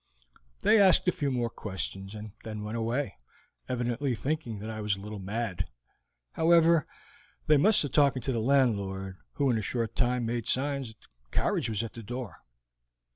They asked a few more questions, and then went away, evidently thinking that I was a little mad. However, they must have spoken to the landlord, who in a short time made signs that the carriage was at the door.